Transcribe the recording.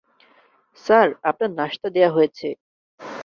Sir, আপনার নাশতা দেয়া হয়েছে।